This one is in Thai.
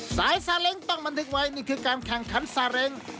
สายซาเล้งต้องบันทึกไว้นี่คือการแข่งขันซาเร็ง